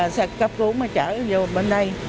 xe cấp cứu mới chở vô bên đây